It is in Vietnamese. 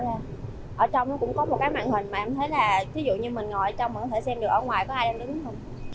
ở trong nó cũng có một cái mạng hình mà em thấy là thí dụ như mình ngồi ở trong mình có thể xem được ở ngoài có ai em đứng không